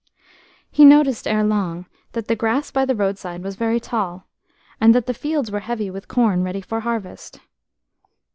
E noticed ere long that the grass by the roadside was very tall, and that the fields were heavy with corn ready for harvest.